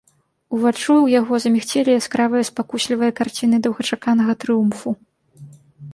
Уваччу ў яго замігцелі яскравыя спакуслівыя карціны доўгачаканага трыумфу.